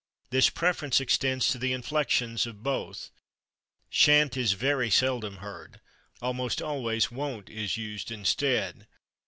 This preference extends to the inflections of both. /Sha'n't/ is very seldom heard; almost always /won't/ is used instead.